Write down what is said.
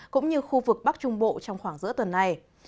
cũng như khu vực bắc trung bộ trong khoảng giữa tuần này